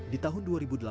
di tahun dua ribu delapan